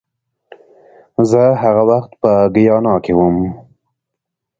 زه هغه وخت په ګیانا کې وم